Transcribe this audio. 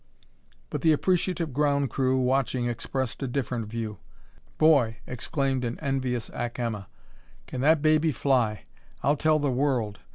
But the appreciative ground crew, watching, expressed a different view. "Boy!" exclaimed an envious Ack Emma. "Can that baby fly! I'll tell the world!